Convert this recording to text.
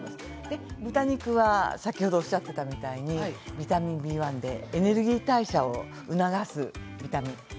豚肉は先ほどおっしゃっていましたようにビタミンＢ１でエネルギー代謝を促すビタミンです。